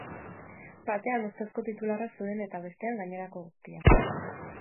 Batean, ustezko titularrak zeuden eta bestean gainerako guztiak.